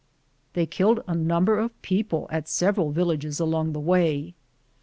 They killed a number of people at several villages along the way.